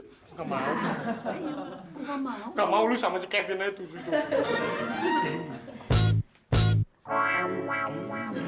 gak mau lu sama si kevin itu